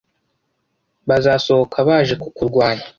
bazasohoka baje kukurwanya